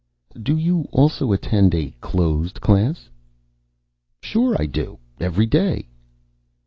"Do you also attend a closed class?" "Sure I do. Every day."